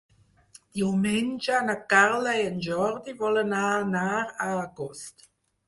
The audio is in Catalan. Diumenge na Carla i en Jordi volen anar a Agost.